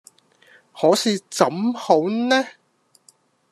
可是怎好呢？